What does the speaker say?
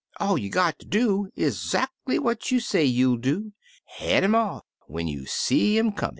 All you got ter do is zackly what you say you'll do — head 'im off when you see 'im comin'.'